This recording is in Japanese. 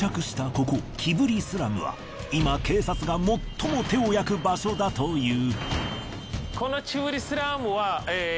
ここキブリスラムは今警察が最も手を焼く場所だという。